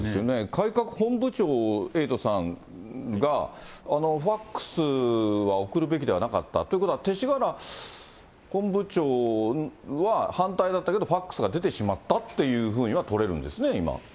改革本部長、エイトさんが、ファックスは送るべきではなかったということは、勅使河原本部長は、反対だったけど、ファックスが出てしまったというふうには、取れるんですね、今。